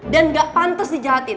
dan gak pantas dijalatin